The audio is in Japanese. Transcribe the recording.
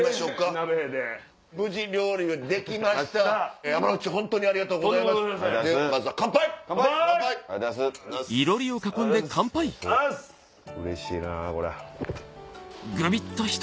うれしいな。